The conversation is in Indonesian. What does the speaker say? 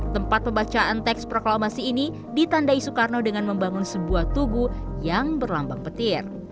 tempat pembacaan teks proklamasi ini ditandai soekarno dengan membangun sebuah tugu yang berlambang petir